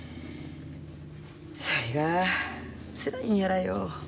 そいがつらいんやらよ。